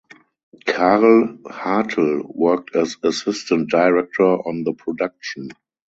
Karl Hartl worked as assistant director on the production.